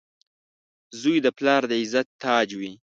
• زوی د پلار د عزت تاج وي.